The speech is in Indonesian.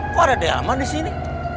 kok ada daleman disini